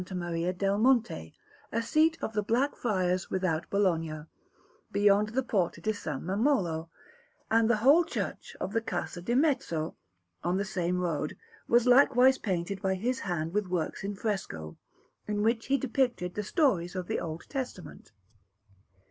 Maria del Monte, a seat of the Black Friars without Bologna, beyond the Porta di S. Mammolo; and the whole church of the Casa di Mezzo, on the same road, was likewise painted by his hand with works in fresco, in which he depicted the stories of the Old Testament.